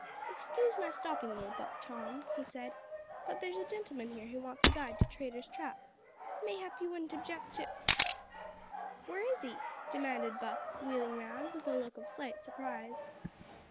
"Excuse my stopping you, Buck Tom," he said, "but there's a gentleman here who wants a guide to Traitor's Trap. Mayhap you wouldn't object to " "Where is he?" demanded Buck, wheeling round, with a look of slight surprise.